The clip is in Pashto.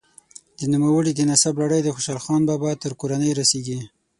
د نوموړي د نسب لړۍ د خوشحال خان بابا تر کورنۍ رسیږي.